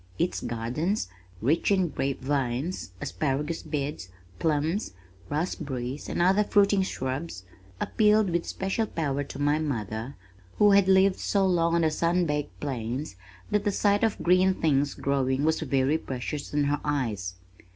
Its gardens, rich in grape vines, asparagus beds, plums, raspberries and other fruiting shrubs, appealed with especial power to my mother who had lived so long on the sun baked plains that the sight of green things growing was very precious in her eyes.